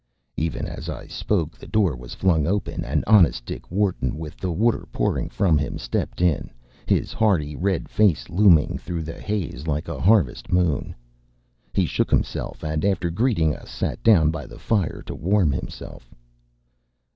” Even as I spoke the door was flung open, and honest Dick Wharton, with the water pouring from him, stepped in, his hearty red face looming through the haze like a harvest moon. He shook himself, and after greeting us sat down by the fire to warm himself.